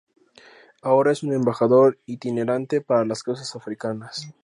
Ahora es un embajador itinerante para las causas africanas.